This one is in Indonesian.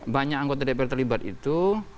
banyak anggota dpr terlibat itu